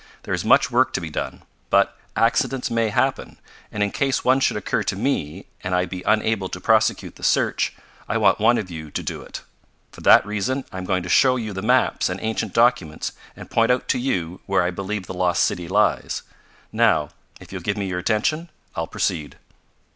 There is much work to be done. But accidents may happen, and in case one should occur to me, and I be unable to prosecute the search, I want one of you to do it. For that reason I am going to show you the maps and ancient documents and point out to you where I believe the lost city lies. Now, if you will give me your attention, I'll proceed."